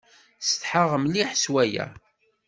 Ssetḥaɣ mliḥ s waya.